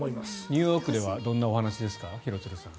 ニューヨークではどんなお話ですか？